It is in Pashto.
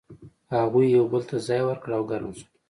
هغوی یو بل ته ځای ورکړ او ګرم شول.